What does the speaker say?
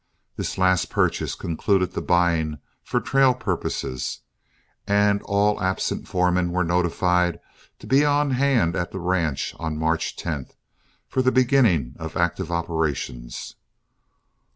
This last purchase concluded the buying for trail purposes, and all absent foremen were notified to be on hand at the ranch on March 10, for the beginning of active operations.